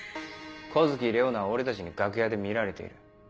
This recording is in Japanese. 湖月レオナは俺たちに楽屋で見られている。